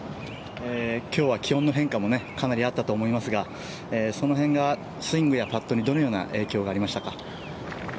今日は気温の変化もかなりあったと思いますがその辺がスイングやパットにどのような影響がありましたか？